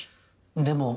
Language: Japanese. でも。